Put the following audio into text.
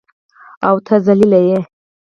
او ته ذلیل یې.